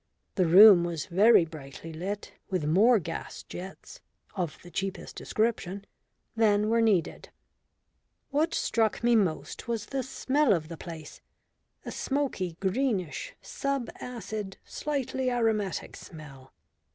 The room was very brightly lit, with more gas jets (of the cheapest description) than were needed. What struck me most was the smell of the place a smoky, greenish, sub acid, slightly aromatic smell.